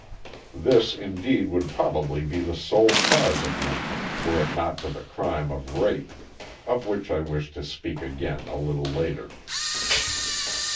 This, indeed, would probably be the sole cause of lynching, were it not for the crime of rape, of which I wish to speak again a little later.